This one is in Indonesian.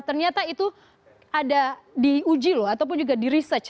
ternyata itu ada diuji loh ataupun juga di research